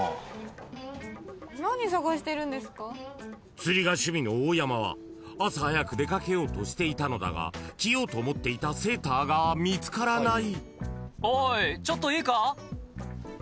［釣りが趣味の大山は朝早く出掛けようとしていたのだが着ようと思っていたセーターが見つからない］